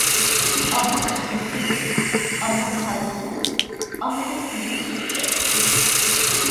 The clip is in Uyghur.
ئاممىغا ئىشىنىشىمىز، ئاممىغا تايىنىشىمىز، ئاممىدىن ئۆگىنىشىمىز كېرەك.